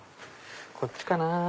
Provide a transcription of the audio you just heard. こっちかなぁ。